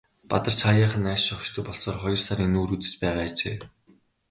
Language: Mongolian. Бадарч хааяахан нааш шогшдог болсоор хоёр сарын нүүр үзэж байгаа ажээ.